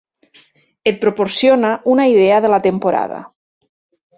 Et proporciona una idea de la temporada.